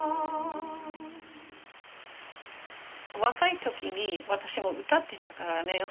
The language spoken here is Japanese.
若い時に私も歌ってたからね。